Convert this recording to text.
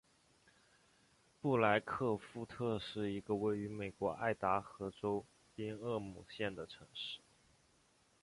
布莱克富特是一个位于美国爱达荷州宾厄姆县的城市。